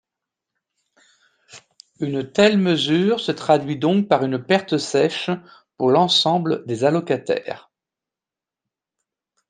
Une telle mesure se traduit donc par une perte sèche pour l’ensemble des allocataires.